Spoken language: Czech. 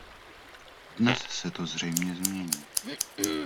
Dnes se to zřejmě změní.